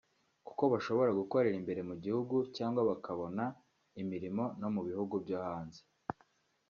kuko bashobora gukorera imbere mu gihugu cyangwa bakabona imirimo no mu bihugu byo hanze